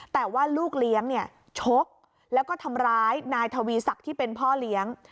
แต่ว่าลูกเลี้ยงเนี่ยชกแล้วก็ทำร้ายนายทวีศักดิ์ที่เป็นพ่อเลี้ยง